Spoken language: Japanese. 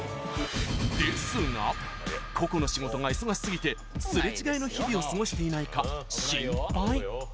ですが個々の仕事が忙しすぎてすれ違いの日々を過ごしていないか心配。